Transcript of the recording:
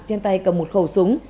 trên tay cầm một khẩu súng